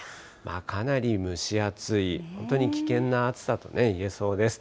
かなり蒸し暑い、本当に危険な暑さといえそうです。